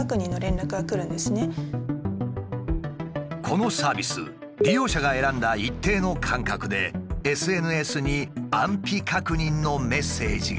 このサービス利用者が選んだ一定の間隔でＳＮＳに安否確認のメッセージが届く。